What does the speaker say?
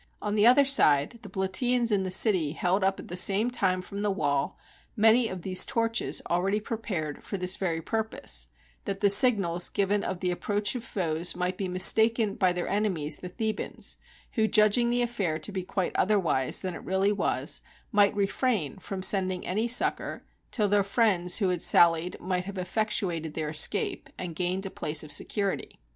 On the other side, the Plata?ans in the city held up at the same time from the wall many of these torches already prepared for this very purpose, that the signals given of the approach of foes might be mistaken by their enemies the Thebans, who judging the affair to be quite otherwise than it really was, might refrain from sending any succor, till their friends who had sallied might have effectuated their escape, and gained a place of security.